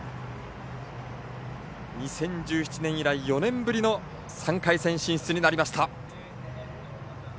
２０１７年以来４年ぶりの３回戦進出です。